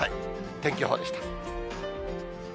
天気予報でした。